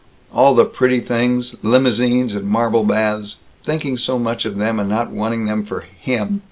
All the pretty things limousines and marble baths thinking so much of them, and not wanting them for him!